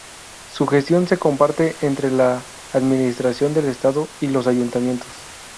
Su gestión se comparte entre la Administración del Estado y los Ayuntamientos.